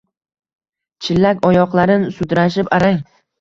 Chillak oyoqlarin sudrashib arang.